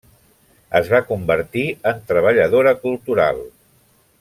Es va convertir en treballadora cultural.